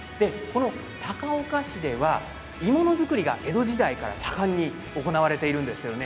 高岡市では、鋳物作りが江戸時代から盛んに行われているんですよね。